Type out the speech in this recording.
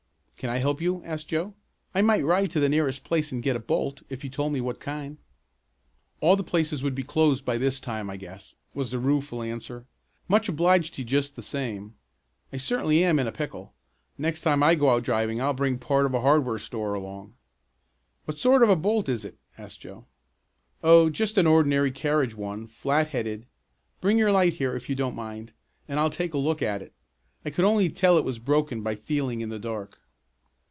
"Can I help you?" asked Joe. "I might ride to the nearest place and get a bolt, if you told me what kind." "All the places would be closed by this time I guess," was the rueful answer. "Much obliged to you just the same. I certainly am in a pickle! Next time I go out driving I'll bring part of a hardware store along." "What sort of a bolt is it?" asked Joe. "Oh, just an ordinary carriage one, flat headed. Bring your light here, if you don't mind, and I'll take a look at it. I could only tell it was broken by feeling in the dark."